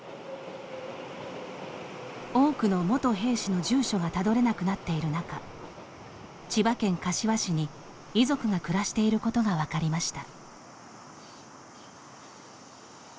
多くの元兵士の住所がたどれなくなっている中千葉県柏市に遺族が暮らしていることが分かりました。